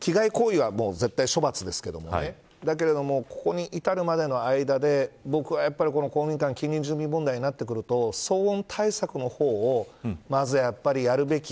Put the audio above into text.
危害行為は絶対に処罰ですけれどもだけれども、ここに至るまでの経緯で僕は公民館近隣住民問題になってくると騒音対策の方をまずはやっぱりやるべき。